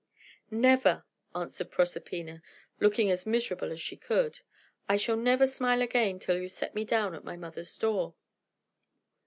"Never!" answered Proserpina, looking as miserable as she could. "I shall never smile again till you set me down at my mother's door."